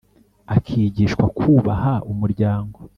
akigishwa kubaha umuryango